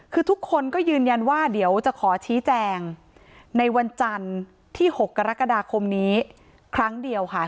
คือทุกคนก็ยืนยันว่าเดี๋ยวจะขอชี้แจงในวันจันทร์ที่๖กรกฎาคมนี้ครั้งเดียวค่ะ